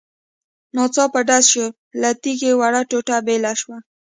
. ناڅاپه ډز شو، له تيږې وړه ټوټه بېله شوه.